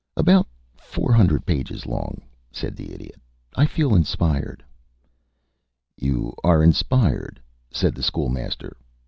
"About four hundred pages long," said the Idiot. "I feel inspired." "You are inspired," said the School Master.